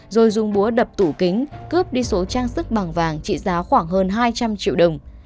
rồi dùng búa đập tủ kính cướp đi số trang sức bằng vàng trị giá khoảng hơn hai trăm linh triệu đồng